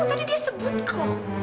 tadi dia sebut kok